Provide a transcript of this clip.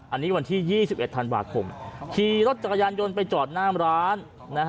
อันนี้วันที่๒๑ธันวาคมขี่รถจักรยานยนต์ไปจอดหน้ามร้าน